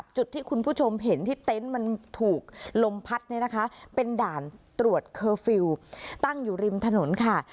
จุดที่คุณผู้ชมเห็นที่เต็นต์มันถูกลมพัดเนี่ยนะคะเป็นด่านตรวจเคอร์ฟิลล์ตั้งอยู่ริมถนนค่ะ